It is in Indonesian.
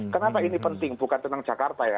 kenapa ini penting bukan tentang jakarta ya